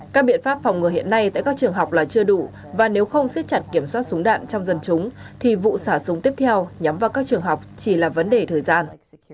các biện pháp phòng ngừa hiện nay tại các trường học là chưa đủ và nếu không siết chặt kiểm soát súng đạn trong dân chúng thì vụ xả súng tiếp theo nhắm vào các trường học chỉ là vấn đề thời gian